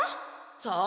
さあ？